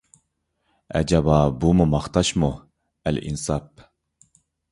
ئەجەبا بۇمۇ ماختاشمۇ، ئەلئىنساپ!!!